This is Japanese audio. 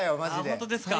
あ本当ですか。